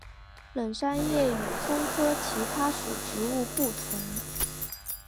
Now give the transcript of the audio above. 冷杉的叶与松科其他属植物不同。